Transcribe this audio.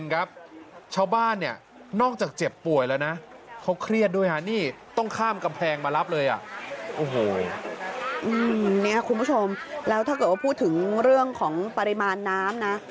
คุณผู้ชมแล้วถ้าเกิดว่าพูดถึงเรื่องของปริมาณน้ำนะ